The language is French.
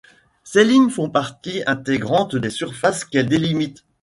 Ces lignes font partie intégrante des surfaces qu’elles délimitent.